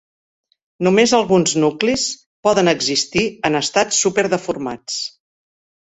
Només alguns nuclis poden existir en estats super deformats.